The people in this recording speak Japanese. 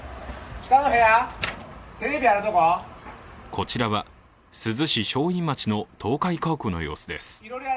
こちらは珠洲市正院町の倒壊家屋の様子です。